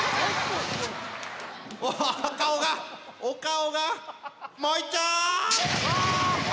顔がお顔がもういっちょう！